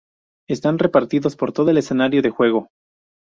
Están repartidos por todo el escenario de juego.